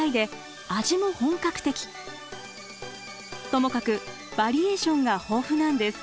ともかくバリエーションが豊富なんです。